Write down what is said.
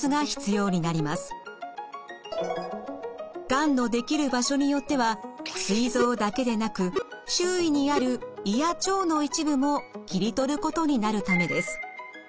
がんのできる場所によってはすい臓だけでなく周囲にある胃や腸の一部も切り取ることになるためです。